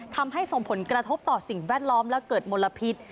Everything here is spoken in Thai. ทำให้ส่งผลกระทบต่อสิ่งแวดล้อมและเกิดมลพิษ